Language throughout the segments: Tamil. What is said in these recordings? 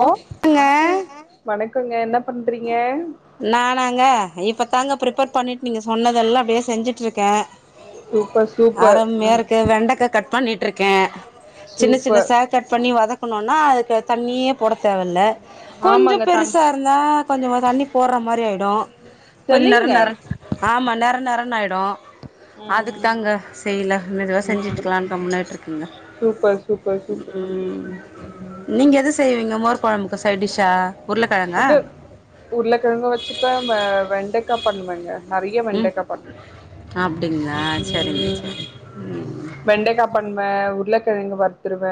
லோ ங்க வணக்கங்க வணக்கங்க என்ன பண்றீங்க நானாங்க இப்ப தாங்க ஃப்ரிப்பேர் பண்ணிட்டு நீங்க சொன்னதெல்லா அப்டியே செஞ்சிட்ருக்க சூப்பர் சூப்பர் அருமையா ம் இருக்கு வெண்டக்கா கட் பண்ணிட்டு இருக்க சின்ன சின்ன சூப்பர் சாட் கட் பண்ணி வதக்கனோன்னா அதுக்கு தண்ணியே போட தேவல்ல கொஞ்சோ ஆமாங்க தன் பெருசா இருந்தா கொஞ்சமா தண்ணி போட்ற மாறி ஆயிடும் கொஞ்சோ நர தெளிங்க நர ஆமா நர நரன்னு ஆயிடும் ம் அதுக்கு ம் தாங்க செய்ல மெதுவா ம் செஞ்சுட்ருக்கல்லான்னு கம்முன்னு நின்ருக்கங்க சூப்பர் சூப்பர் சூப்பர் ம் ம் நீங்க எது செய்வீங்க மோர்கொழம்புக்கு சைடிஷ்ஷா அது உருளக்கெழங்கும் வச்சுப்ப வெ வெண்டக்கா பண்ணுவேங்க நறையா வெண்டக்கா பண்ணனு அப்டிங்ளா சரிங்க சரிங் வெண்டக்கா பண்வே உருளக்கெழங்கு வறுத்துருவ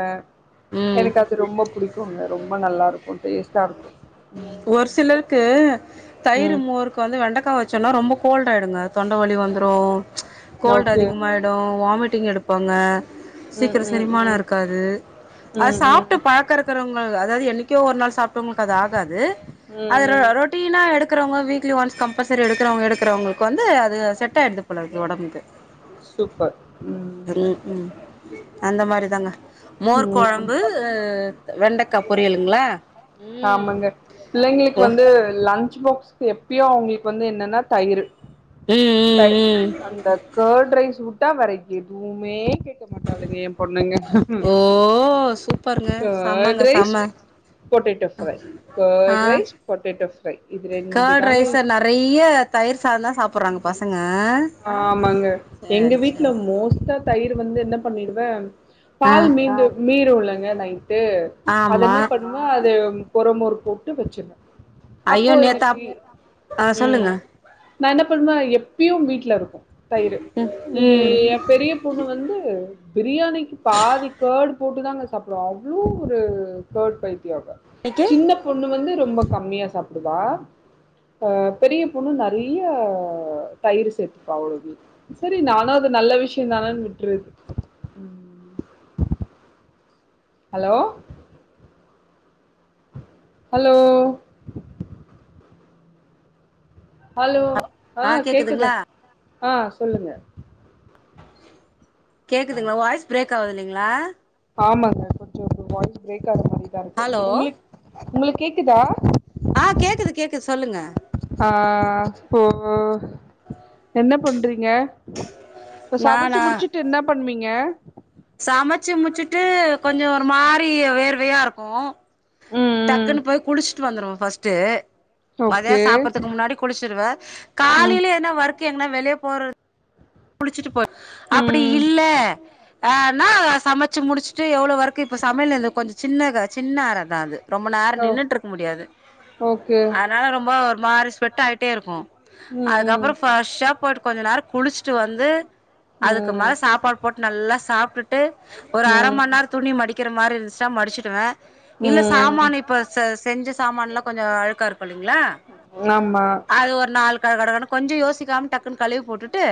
ம் எனக்கு அது ரொம்ப புடிக்குங்க ரொம்ப நல்லா இருக்கும் டேஸ்டா இருக்கும் ஒரு சிலருக்கு தயிரு ம் மோரு இப்ப வந்து வெண்டக்கா வச்சோன்னா ரொம்ப கோல்ட் ஆயிடுங்க தொண்ட வலி வந்துடும் கோல்ட் ஓகே அதிகமாயி டும் வாமிட்டிங் எடுப்பாங்க ம் சீக்கிரோ ம் ம் செரிமானோ ம் இருக்காது அது ம் ம் சாப்ட்டு பாக்கறக் றவங்க அதாவது என்னைக்கோ ஒரு நாள் சாப்டவங்களுக்கு அது ஆகாது அது ரா ம் ரொட் டீனா எடுக்கறவங்க வீக்லி ஒன்ஸ் கம்பல்சரி எடுக்கறவங்க எடுக்கறவங்களுக்கு வந்து அது செட்டாயிடுது போல இருக்கு ஒடம்புக்கு சூப்பர் ம் ரு ம் அந்த மாரிதாங்க ம் மோர்க்கொழம்பு ஆத் வெண்டக்கா பொரியலுங்ளா ஆமாங்க பிள்ளைங்களுக்கு வந்து லன்சு பாக்ஸூக்கு எப்பயு அவங்ளுக் வந்து என்னனா தயிரு ம் ம் தய் ம் அந்த கேர்ட் ரைஸ் உட்டா வேற எதுவுமே கேக் க மாட்டாளுங்க ஏம்பொண்ணுங்க ஓ சூப்பருங்க கேர்ட் செம்மங்க ரைஸ் செம்ம பொட்டேட்டோ ஃப்ரை ஆ கேர்ட் ரைஸ் பொட்டேட்டோ ஃப்ரை இது ரெண்டு தாங்க றைய தயிர் சாதோந்தா சாப்புட்றாங்க பசங்க ஆ ஆமாங்க எங்க வீட்ல மோஸ்ட்டா தயிரு வந்து என்ன பண்ணிடுவ ஆ பால் மீந்து மீறூலங்க நைட்டு அத ஆமா என்ன பண் வ அது ஒர மோர் போட்டு வச்சிருவே அப்போ ஐயோ நேத்து எனக்கி அப் ஆ சொல்லுங்க ம் நா என்ன பண்வே எப்பயு வீட்ல இருக்கு தயிரு இ ம் எப் பெரிய பொண்ணு வந்து பிரியாணிக்கு பாதி கேர்டு போட்டு தாங்க சாப்டுவா அவ்ளோ ஒரு கேர்ட் பைத்தியோ அவ இன்னைக்கு சின்ன பொண்ணு வந்து ரொம்ப கம்மியா சாப்டுவா ஆ பெரிய பொண்ணு நெறையா தயிரு சேத் பா அவளுக்கு செரி நானு அது நல்ல விஷயோ தானன் விட்டுறது ஹலோ ஹலோ ஹலோ ஆ கேக்குது ஆ சொல்லுங்க கேக்குதுங்களா வாய்ஸ் பிரேக் ஆவுதில்லைங்களா ஆமாங்க கொஞ்சோ உங்க வாய்ஸ் பிரேக் ஆகுற ஹலோ மாரிதாருக்கு உங்ளுக் உங்களுக் கேக்குதா ஆ கேக்குது கேக்குது சொல்லுங்க ஆ போ என்ன பண்றீங்க இப்ப சபச்சி நானா முடிச்சிட்டு என்னா பண்ணுவீங்க சமச்சி முச்சிட்டு கொஞ்சோ ஒரு மாரி வேர்வையா இருக்கு ம் ம் டக்குனு போய் குளிச்சிட்டு வந்துருவ ஃபஸ்ட்டு மதியோ ஓகே சாப்புட்றதுக்கு முன்னாடி குளிச்சிருவே ம் காலையில என்ன ஒர்க் எங்னா வெளிய போறது குளிச்சிட்டு போ அப்பிடி ம் இல்ல ஆனா சமச்சி முடிச்சிட்டு எவ்வளோ ஒர்க்கு இப்போ சமையலந்த கொஞ்சோ சின்னதா சின்ன அறதா அது ரொம்ப நேரோ ஓ நின்னுட்ருக்க முடியாது ஓகே அதனால ரொம்ப ஒரு மாரி ஸ்வெட் ஆய்ட்டே இருக்கு ம் அதுக்கப்றோ ஃப்ரெஷ்ஷா போயிட்டு கொஞ்சோ நேரோ குளிச்சிட்டு வந்து அதுக்கு ம் மேல சாப்பாடு போட்டு நல்லா சாப்டுட்டு ஒரு அர மண் ம் நேரோ துணி மடிக்கிற மாரி இருந்துச்சுனா மடிச்சிடுவே ம் இல்ல ம் சாமானு இப்ப ச செஞ்ச சாமான்லா கொஞ்சோ அழுக்காருக்கு இல்லைங்ளா நாமா அது ஒரு நாள் கட கடகடன் கொஞ்சோ யோசிக்காம டக்குன் கழுவி போட்டுட்டு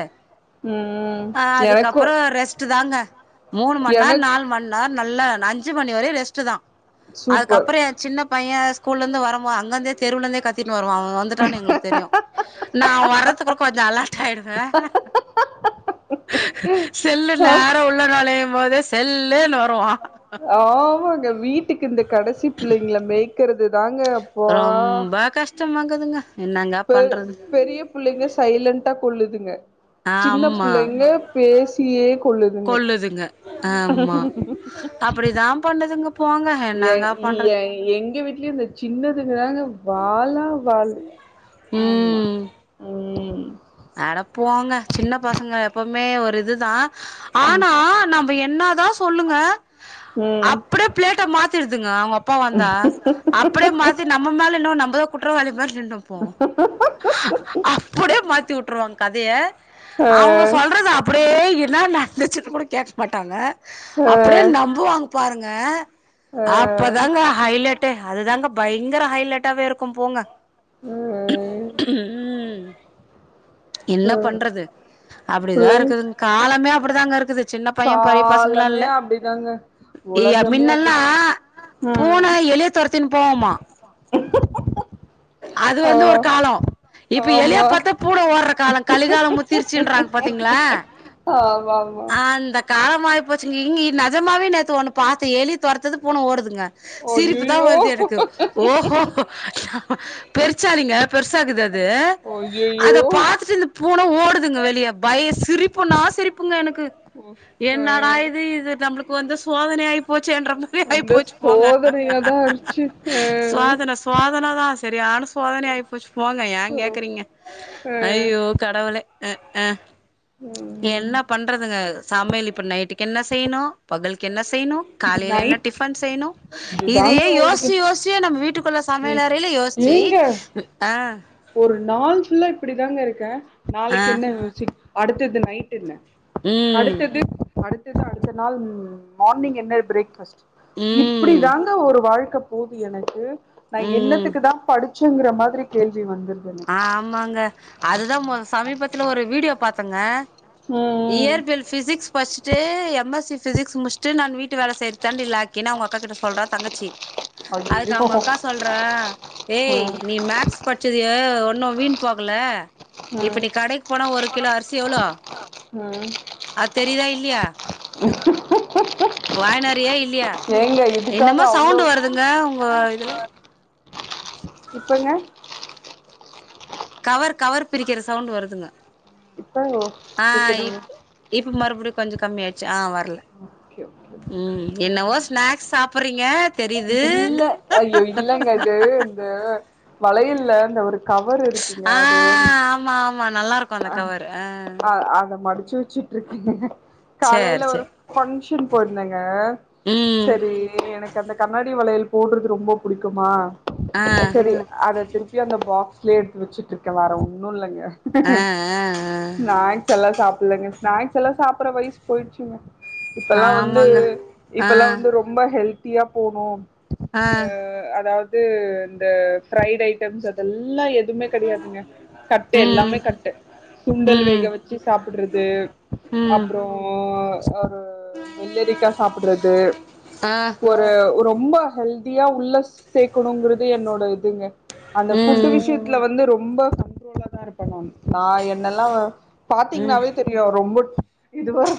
ம் ஆ எனக்கு அதுக்கப்பறோ ரெஸ்ட்டு தாங்க மூணு மண் நேர் எனக் நால் மண் நா நல்லா நஞ்சி மணி வரை ரெஸ்ட்டுதா சூப்பர் அதுக்கப்றோ ஏ சின்ன பையே ஸ்கூல்லந்து வருவா அங்கந்தே தெருவுலந்தே கத் தினு வருவா அவ வந்துட்டானு எங்களுக் தெரியு நா அவ வரதுக்குருக் கொஞ்சோ அலாட் ஆயிடுவே செல்லு ஆ நேரா உள்ள நொழையும்போதே செல்லுன் வருவா ஆமாங்க வீட்டுக்கு இந்த கடைசி பிள்ளைங்ள மேய்க்குரது தாங்க அப்பா ரொம்ப கஷ்டமாக்குதுங்க என்னங்க பெ பண்றது பெரிய புள்ளைங்க சைலண்ட்டா கொல்லுதுங்க சின்ன ஆமா புள்ளைங்க பேசியே கொள்ளுதுங்க கொல்லுதுங்க நா பண்ணதுங்க போங்க ஏ என்னாங்க இங்க பண்றது எங்க வீட்லயு இந்த சின்னதுங்காங்க வாலா வாலு ஆமா ம் ம் அட போங்க சின்ன பசங்க எப்போமே ஒரு இதுதா ஆனா நம்ப என்னாதா சொல்லுங்க ம் அப்டியே பிளேட்ட மாத்திடுதுங்க அவ்ங்க அப் ப்பா வந்தா அப்டியே மாத்தி நம்ம மேல என்னவோ நம்பதா குற்றவாளி மாரி நின்னுப் போ அப்டியே மாத்தி வுட்டுருவாங்க கதைய ஆ அவ்ங்க சொல்றத அப் அப்டியே என்ன நடந்துச்சுன் கூட கேக்க மாட்டாங்க ஆ அப்டியே நம்புவாங்க பாருங்க ஆ அப்பதாங்க ஹைலட்டே அதுதாங்க பயங்கர ஹைலட்டாவே இருக்கு போங்க ம் ம் என்ன ஆ பண்றது அப்டிதா பிள்ளைங் இருக்குதுங் காலமே அப்டிதாங்க இருக்குது சின்ன பைய பெரிய பசங்களா காலமே இல்ல அப்டிதாங்க ய ஒலகமே அப்டி மின்னெல்லா அ பூன எலிய தொரத்தின்னு போகுமா அது ஆ வந்து ஒரு காலோ இப்ப எலிய ஆமா பாத்தா பூன ஓட்ற கால கலிகால முத்திருச்சுன்றாங்க பாத்தீங்ளா ஆமாம்மா கால மாறி போச்சுங்க இங்க நெஜமாவே நேத்து ஒன்னு பாத்தே எலி தொரத்துது பூன ஓடுதுங்க சிரிப்பு தா அய்யய்யோ வருது எனக்கு ஓஹோ பெருச்சாலிங்க பெருசாக்குது அது அய்யய்யோ அத பாத்துட்டு இந்த பூன ஓடுதுங்க வெளிய பய சிரிப்புனா சிரிப் ப்புங்க எனக்கு ஆ என்னடா இது இது நம்மளுக்கு வந்த சோதனை ஆயிபோச்சேன்ற மாரி ஆயி அந்த போச்சு போங்க சோதனையாதா இருச்சு சோதன ஆ சோதன தா செரியான சோதனை ஆயிபோச்சு போங்க ஏ கேக்குறீங்க ஆ ஐயோ கடவுளே அ ஆ ம் என்ன பண்றதுங்க சமையல் இப்ப நைட்டுக்கு என்ன செய்யணு பகலுக்கு என்ன செய்யணு காலைல என்ன நைட் டிஃபன் செய்யணு இதே இதுதாங்க ஓடுது யோசுச்சு யோசுச்சே நம்ம வீட்டுக்குள்ள ஏ சமையல் அறைல யோஸ் ஏங்க ம் ஆ ஒரு நாள் ஃபுல்லா இப்டிதாங்க இருக்கே ஆ நாளைக்கு என்ன சி அடுத்தது நைட் என்ன ம் அடுத்தது அடுத்தது அடுத்த நாள் மார்னிங் என்ன பிரேக்ஃபஸ்ட்டு இப்டி ம் தாங்க ஒரு வாழ்க்க போது எனக்கு நா ம் என்னத்துக்கு தா படிச் ச்சுங்கிற மாதிரி கேள்வி வந்துரு ஆமாங்க அதுதா மொத சமீபத்துல ஒரு வீடியோ பாத்தேங்க ம் இயற்பியல் ஃபிசிக்ஸ் பட்ச்சுட்டு எம் எஸ் சி ஃபிசிக்ஸ் முட்ச்ட்டு நான் வீட்டு வேல செய்யற் தாண்டி லாயக்கி ஏனா அவ்ங்க அக்கா கிட்ட சொல்றா தங்கச்சி அதுக்கு ஐயையோ அவ்ங்க அக்கா சொல்றா ஏய் ம் நீ மேக்ஸ் பட்ச்சதுயே ஒன்னு வீண் போகல இப்ப ம் நீ கடைக்கு போனா ஒரு கிலோ அரிசி எவ்ளோ ஆ அத் தெரியுதா இல்லியா வாங்கின் வாரியா இல்லியா ஏங்க இதுக்காக என்னம்மோ அவ்ளோ சவுண்டு வருதுங்க உங்க இதுல இப்பங்க கவர் கவர் பிரிக்கிற சவுண்டு வருதுங்க இப்ப ஆ கேக்குதுங்க இப் இப்ப மறுபடியு கொஞ்ச கம்மி ஆயிடுச்சு ஆ வரல ஓகே ஓகே ம் என்னவோ ஸ்நாக்ஸ் சாப்புறீங்க தெரியுது இல்ல ஐயோ இல்லங்க இது இந்த வளையல்ல இந்த ஒரு கவரு இரு குங்க ஆ அது ஆமா ஆமா நல்லா இருக்கு அந்த ஆ கவர் அ அத மடிச்சு வச்சு ருக்கே சேர் காலையில ஒரு சேர் ஃபங்ஷன் போயிருந்தேங்க ம் செரி எனக்கு அந்த கண்ணாடி வளையல் போடுறது ரொம்ப புடிக்குமா ஆ செரி அத‌ திருப்பி அந்த பாக்ஸ்லே எடுத்து வெச்சுட்டு ருக்கே வேற ஒன்னு இல்லங்க ஆ ஆ ஆ ஸ்நாக்ஸ் எல்லா சாப்புல்லங்க ஸ்நாக்ஸ் எல்லா சாப்பற வய்ஸ் போயிடுச்சுங்க இப்பல்லா வந்து ஆமாங்க ஆ இப்பல்லா வந்து ரொ ம்ப ஹெல்த்தியா போனு ஆ அ அதா து இந்த ஃபிரைடு ஐட்டம்ஸ் அதெல்லா எ துவுமே கிடையாதுங்க கட்டு ம் எல்லாமே கட்டு சுண்டல் ம் வேக வச்சு சாப்புடுறது ம் அப்புறோ ஒரு வெள்ளரிக்கா சாப்புடுறது ஆ அ ரொம்ப ஹெல்தியா உள்ள சேக்கணுங்குறது என்னோட இதுங்க அந்த ம் ஃபுட்டு ம் விஷயத்துல வந்து ரொம்ப கண்ட்ரோல தா இருப்பே நானு நா என்னெல்லா பாத்தீங்னாவே தெரியு ரொம்ப இது வர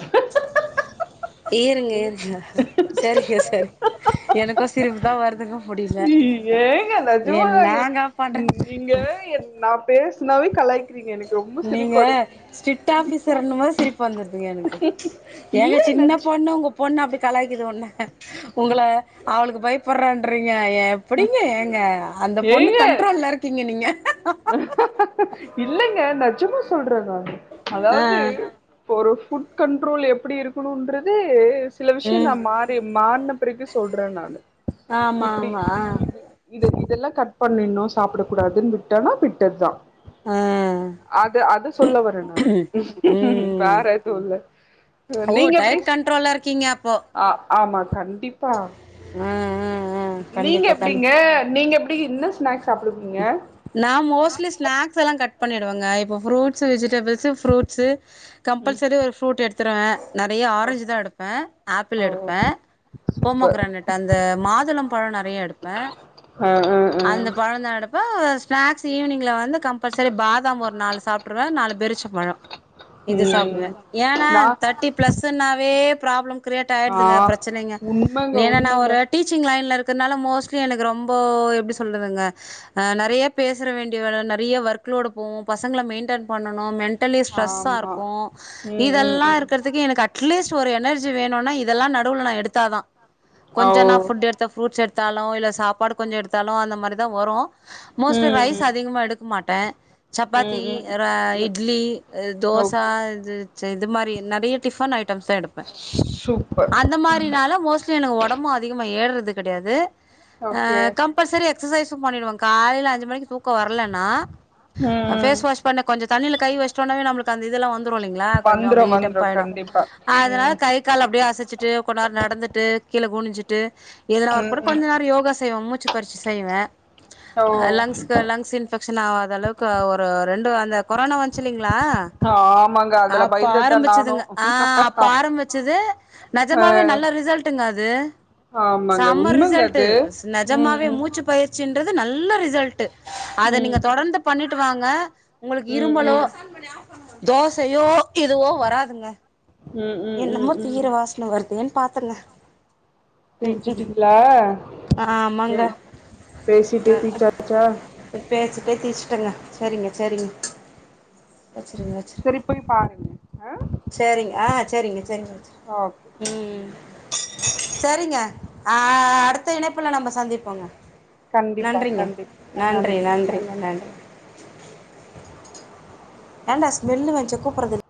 சேரிங்க செர் எனக்கு சிரிப்பு தா வருதுங்க முடியில ஏங்க நெஜமாதாங்க என்னங்க பண்ற ம் நீங்க என் நா பேசுனாவே கலாய் நீங்க ஸ்டிட் ஆபீசர்னும் போது சிரிப்பு வந்துருது எனக்கு ஏங்க இல்ல சின்ன நெஜ் பொண்ணு உங்க பொண்ணு அப்டி கலாயிக்குது உன்ன உங்கள அவளுக்கு பயப்படுறன்றீங்க எ ப்படிங்க ஏங்க அந்த பொண்ணு ஏங்க கண்ட்ரோல்ல இருக்கீங்க நீங்க இல்லங்க நெஜமா சொல்றே நானு ஆ அதாவது ஒரு ஃபுட் கண்ட்ரோல் எப்டி இருக்கணுன்றது சில விஷயோ ம் நா மாறி மாறுன பிறகு சொல்றே நானு ஆமா இப்டி ஆமா இது இது இதெல்லா கட் பண்ணிடுனு சாப்புட கூடாதுன் விட்டனா விட்டதா அ அது அது சொல்ல வரே நானு ம் வேற எதுவு இல்ல ஓ டயட் கண்ட்ரோல்ல இருக்கீங்க அப்போ அ ஆமா கண்டிப்பா ம் ம் நீங்க எப்புடிங்க நீங்க எப்டி என்ன ஸ்நாக்ஸ் சாப்பிடுவீங்க நா மோஸ்ட்லி ஸ்நாக்ஸ் எல்லா கட் பண்ணிடுவேங்க இப்போ ஃபுரூட்ஸ் வெஜிடபுள்ஸ் ஃப்ரூட் ஸு கம்பல்சரி ஒரு ஃப்ரூட் எடுத்துருவே நெறையா ஓ ஆரஞ்சு தா எடுப்பே ஆப்பிள் ஓ எடுப்பெ சூப்பர் போமோக்ரேனட் அந்த மாதுளம் பழோ நெறையா எடுப்பே அ அ அ வாழநாடு அ ஸ்நாக்ஸ் ஈவினிங்கில வந்து கம்பல்சரி பாதாம் ஒரு நாலு சாப்புடுவே நாலு பேருச்ச பழோ இது ம் சாப்புடுவே ஏனா நா தேட்டி ப்ளஸ் நாவே ப்ராப்ளம் கிரேட் ஆ ஆயிதுங்க பிரச்சனெங்க உண்மங்க நீனா நா உண்மங்க ஒரு டீச்சிங் லைன்ல இருக்கனால மோஸ்ட்லி எனக்கு ரொம்ப எப்டி சொல்றதுங்க நறையா பேசற வேண்டிய வேல நறையா வர்க்லோடு போவு பசங்கள மெய்ன்டன் பண்ணணு மென்ட் டலி ஸ்ட்ரெஸ்ஸா ஆமா இருக்கு ம் ம் இதெல்லா ம் இருக்கறதுக்கு எனக்கு அட்லீஸ்ட் ஒரு எனர்ஜி வேணுன்னா இதெல்லா நடுவுல நா எடுத்தாதா ஓ கொஞ்சொ நா ஃபுட் எடுத்தா ஃபுரூட்ஸ் எடுத்தாலு இல்ல சாப்பாடு கொஞ்சொ எடுத்தாலு அந்த மாரி தா வரு மோஸ்ட்லி ம் ரைஸ் அதிகமா எடுக் மாட்டே சப்பாத்தி ம் ம் ம் இட்லி தோசா ஓகே இது ச இது மாரி நறையா டிஃபன் ஐட் ட்டப்ஸ் தா எடுப்ப [unintelligible] அந்த மாரினாலு மோஸ்ட் லி எனக் ஒடம்பு அதிகமா ஏற்றது கெடயாது அ ஓகே கம்பல்சரி எக்சசைஸ்ஸு பண்ணிடுவெ காலேல அஞ்சு மணிக்கு தூக்கொ வரலன்னா அ ஃபேஸ் வாஷ் பண்ணி கொஞ்சொ தண்ணில கை வெச்டோன்னாவே நம்ளு அந்த இதெல்லா வந்துரு இல்லிங்ளா கொஞ்சொ வந்துரு அப்டியே டப் வந்துரு ஆயிடும் கண்டிப்பா அதனால ம் கை க்கால அப்டியே அசசிட்டு கொன் நேர நடந்துட்டு கீழ குனிசிட்டு எதனா ம் ஒரு கொஞ்ச ம் நேர யோகா செய்வே மூச்சு பறிச்சி செய்வே ஓ லங்ஸ்க்கு லங்ஸ் இன்பெக்ஷன் ஆகாத அளவுக் ஒரு ரெண்டு அந்த கொரனா வந்திச்சு இல்லெங்ளா ஆமாங்க அதுல அப்ப பயந்துதா நானு ஆரம்பிச்சதுங்க ஆ அப்ப ஆரம்பிச்சது அ நெஜமாவே நல்ல ரிசல்ட்டுங்க அது ஆமாங்க செம உண்மங்க ரிசல்ட்டு அது நெஜமாவே ம் மூச்சு பயிற் சீன்றது நல்ல ரிசல்ட்டு அத ம் நீங்க தொடர்ந்து ம் பண்ணிட்டு வாங்க உங்களுக்கு ம் இருமலோ ம் தோசையு இதுவு வராதுங்க ம் ம் என்னமோ ம் ம் ம் தீயிர வாசன ட்ல வருதேன் பாத்தேங்க புச்சிடீங்களா ஆ ஆமாங்க பேசி பேசி ச்சாசா பேசி பேசி தீச்சிட்டங்க சரிங்க சரிங்க வெச்ருங்க வெச்சிரு சரி போய் பாருங்க ஆ சரிங்க ஆ சரிங்க சரிங்க வெச்சிரு ஓகே ம் செரிங்க அ அடுத்த இணைப்புல நம்ம சந்திபோங்க கண்டிப்பா நன்றிங்க கண்டிப்பா நன்றி நன்றி நன்றி ஏன்டா ஸ்மெல்லு வந்துசே கூப்பட்றது இல்ல